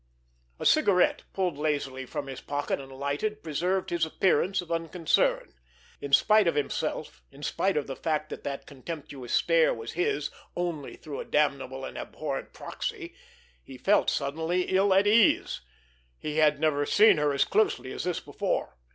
A cigarette, pulled lazily from his pocket and lighted, preserved his appearance of unconcern. In spite of himself, in spite of the fact that that contemptuous stare was his only through a damnable and abhorrent proxy, he felt suddenly ill at ease. He had never seen her as closely as this before.